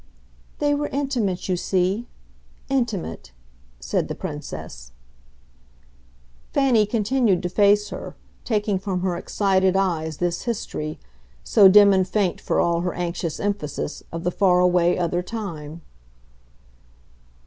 "They were intimate, you see. Intimate," said the Princess. Fanny continued to face her, taking from her excited eyes this history, so dim and faint for all her anxious emphasis, of the far away other time.